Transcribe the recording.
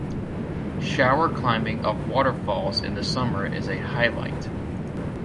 Shower climbing of waterfalls in the summer is a highlight.